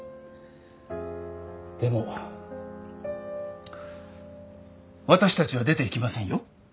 でも私たちは出ていきませんよ。